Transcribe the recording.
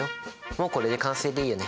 もうこれで完成でいいよね？